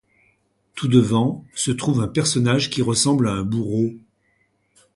Tout devant, se trouve un personnage qui ressemble à un bourreau.